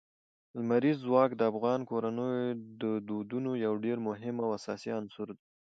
لمریز ځواک د افغان کورنیو د دودونو یو ډېر مهم او اساسي عنصر دی.